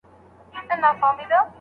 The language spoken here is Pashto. رسول الله د اکا په مړینه بي حوصلې سو.